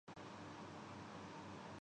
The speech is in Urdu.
عمران خان نہیں۔